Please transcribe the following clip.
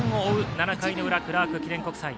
７回の裏クラーク記念国際。